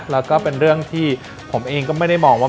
แล้วก็เป็นเรื่องที่ผมเองก็ไม่ได้มองว่า